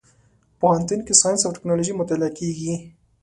پوهنتون کې ساينس او ټکنالوژي مطالعه کېږي.